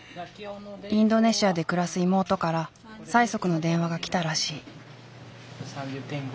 インドネシアで暮らす妹から催促の電話が来たらしい。